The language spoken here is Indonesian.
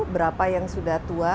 berapa yang sudah tua